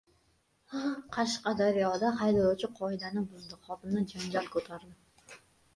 Qashqadaryoda haydovchi qoidani buzdi, xotini janjal ko‘tardi